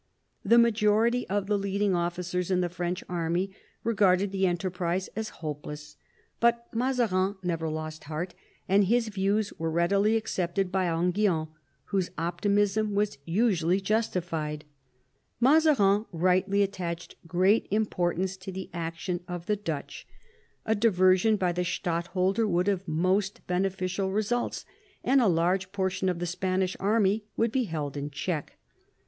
The majority of the leading ofl&cers in the French army regarded the enterprise as hopeless, but Mazarin never lost heart, and his views were readily accepted by Enghien, whose optimism was usually justified. Mazarin rightly attached great im portance to the action of the Dutch. A diversion by the C 18 MAZARIN CHAP. stadtholder would have most beneficial results, and a large portion of the Spanish army would be held in check.